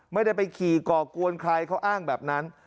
ไม่ได้ไปขี่ก่อกวนใครเขาอ้างแบบนั้น